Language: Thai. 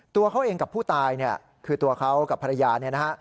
ตัวเขาเองกับผู้ตายเนี่ยคือตัวเขากับภรรยาเนี่ยนะฮะ